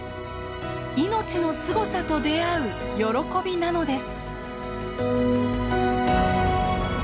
命のすごさと出会う喜びなのです。